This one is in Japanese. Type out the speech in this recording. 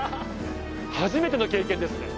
初めての経験ですね。